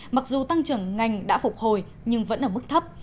mặc dù tăng trưởng ngành đã phục hồi nhưng vẫn ở mức thấp